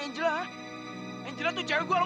topan siapa tuh topan